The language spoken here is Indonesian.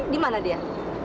di mana dia